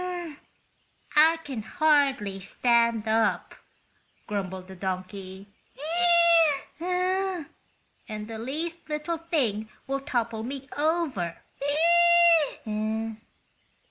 "I can hardly stand up," grumbled the donkey; "and the least little thing will topple me over."